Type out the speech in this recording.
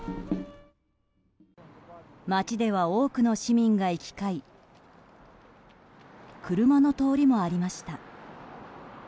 街では多くの市民が行き交い車の通りもありました。